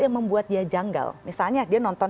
yang membuat dia janggal misalnya dia nonton